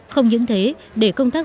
không những thế để công tác